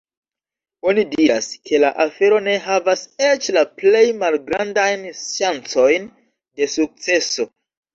Oni diras, ke la afero ne havas eĉ la plej malgrandajn ŝancojn de sukceso.